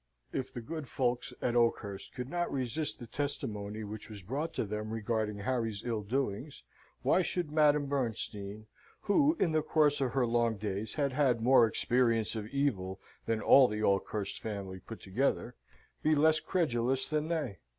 If the good folks at Oakhurst could not resist the testimony which was brought to them regarding Harry's ill doings, why should Madame Bernstein, who in the course of her long days had had more experience of evil than all the Oakhurst family put together, be less credulous than they?